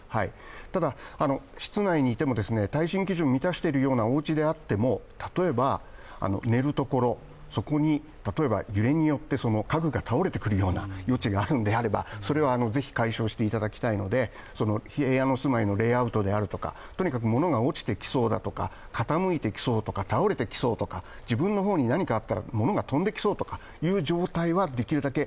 ただ、室内にいても、耐震基準を満たしているようなおうちであっても、例えば寝るところに揺れによって家具が倒れてくるような余地があるのであればそれはぜひ解消していただきたいので、お住まいのレイアウトであるとかとにかく物が起きてきそうとか、傾いてきそうとか、倒れてきそうとか自分の方に何かあったらものが飛んできそうとか、できるだけ